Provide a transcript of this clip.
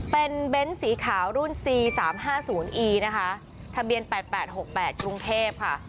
เป็นเบนท์สีขาวรุ่นซีสามห้าศูนย์อีนะคะทะเบียนแปดแปดหกแปดกรุงเทพค่ะ